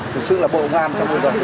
thực sự là bộ ngan trong vùng vật